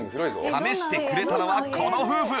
試してくれたのはこの夫婦